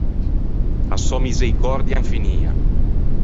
A sò miseicòrdia infinia.